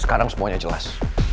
sekarang semuanya jelas